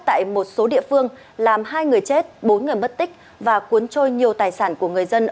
tại một số địa phương làm hai người chết bốn người mất tích và cuốn trôi nhiều tài sản của người dân